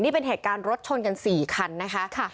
นี่เป็นเหตุการณ์รถชนกัน๔คันนะคะ